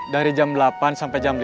dari jam delapan sampai jam delapan